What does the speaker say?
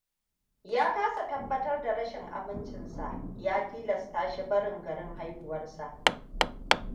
Ya kasa tabbatar da rashin amincin sa, ya tilasta shi barin garin haihuwarsa.